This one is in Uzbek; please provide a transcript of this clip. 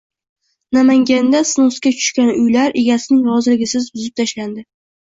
Namanganda “snos”ga tushgan uylar egasining roziligisiz buzib tashlandi